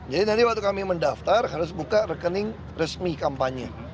jadi nanti waktu kami mendaftar harus buka rekening resmi kampanye